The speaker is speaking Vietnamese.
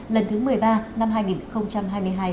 lần thứ một mươi ba năm hai nghìn hai mươi hai